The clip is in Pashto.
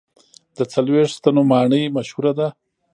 د څلوېښت ستنو ماڼۍ مشهوره ده.